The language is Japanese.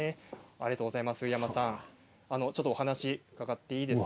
宇山さんありがとうございます。